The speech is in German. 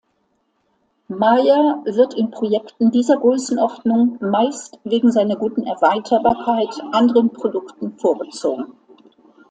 Maya wird in Projekten dieser Größenordnung meist wegen seiner guten Erweiterbarkeit anderen Produkten vorgezogen.